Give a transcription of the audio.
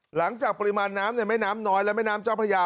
หลังจากปริมาณน้ำในแม่น้ำน้อยและแม่น้ำเจ้าพระยา